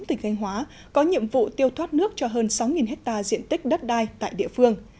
tỉnh thanh hóa có nhiệm vụ tiêu thoát nước cho hơn sáu hectare diện tích đất đai tại địa phương